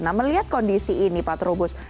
nah melihat kondisi ini pak trubus